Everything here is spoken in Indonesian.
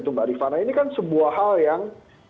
mbak rifana ini kan sebuah hal yang